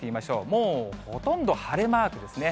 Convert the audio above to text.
もうほとんど晴れマークですね。